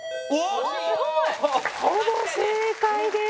ほぼ正解です。